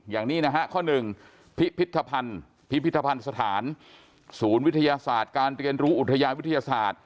อย่างนี้นะฮะข้อหนึ่งพิพิธภัณฑ์พิพิธภัณฑ์สถานศูนย์วิทยาศาสตร์การเรียนรู้อุทยาวิทยาศาสตร์